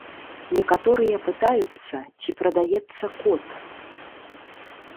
Некаторыя пытаюцца, ці прадаецца кот.